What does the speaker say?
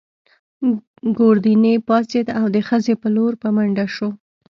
ګوردیني پاڅېد او د خزې په لور په منډه شو.